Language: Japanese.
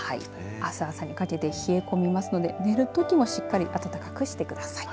あす朝にかけて冷え込みますので寝るときもしっかり暖かくしてください。